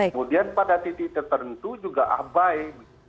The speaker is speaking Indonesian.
kemudian pada titik tertentu juga abai